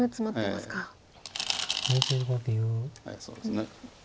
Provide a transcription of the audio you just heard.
そうですね。